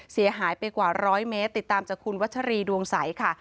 เสียหายไปกว่าร้อยเมตรติดตามจากคุณวัชรีดวงใสค่ะ